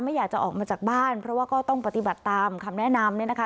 อยากจะออกมาจากบ้านเพราะว่าก็ต้องปฏิบัติตามคำแนะนำเนี่ยนะคะ